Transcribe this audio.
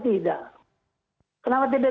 tidak kenapa tidak